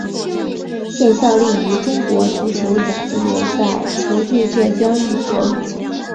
现效力于中国足球甲级联赛球队浙江毅腾。